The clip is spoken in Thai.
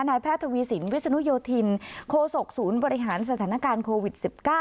แพทย์ทวีสินวิศนุโยธินโคศกศูนย์บริหารสถานการณ์โควิด๑๙